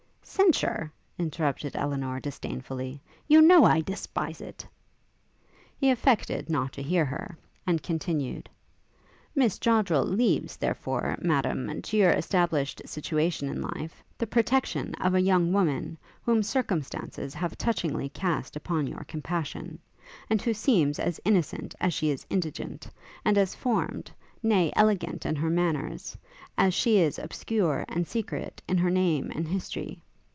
'Censure?' interrupted Elinor, disdainfully, 'you know I despise it!' He affected not to hear her, and continued, 'Miss Joddrel leaves, therefore, Madam, to your established situation in life, the protection of a young person whom circumstances have touchingly cast upon your compassion, and who seems as innocent as she is indigent, and as formed, nay elegant in her manners, as she is obscure and secret in her name and history.